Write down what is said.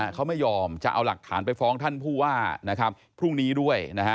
เขาไม่ยอมจะเอาหลักฐานไปฟ้องท่านผู้ว่าพรุ่งนี้ด้วย